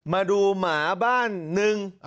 มาดูหมาบ้านนึง